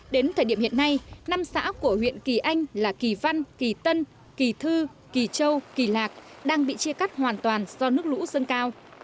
đến thời điểm hiện nay năm xã của huyện kỳ anh là kỳ văn kỳ tân kỳ thư kỳ châu kỳ lạc đang bị chia cắt hoàn toàn do nước lũ dâng cao